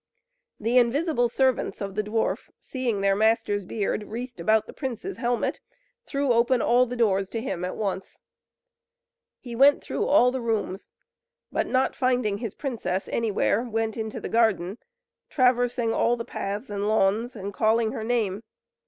The invisible servants of the dwarf, seeing their master's beard, wreathed about the prince's helmet, threw open all the doors to him at once. He went through all the rooms; but not finding his princess anywhere, went into the garden, traversing all the paths and lawns, and calling her name.